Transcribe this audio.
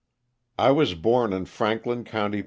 T WAS born in Franklin county, Pa.